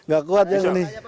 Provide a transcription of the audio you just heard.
gak kuat yang ini